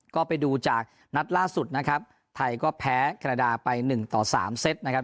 ก็ไปดูจากนัดล่าสุดนะครับไทยก็แพ้แคนาดาไปหนึ่งต่อสามเซตนะครับ